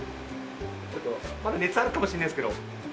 ちょっとまだ熱あるかもしれないんですけど。